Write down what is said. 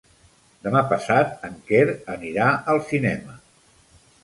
Demà passat en Quer anirà al cinema.